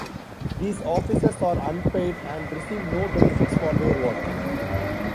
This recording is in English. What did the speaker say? These officers are unpaid, and receive no benefits for their work.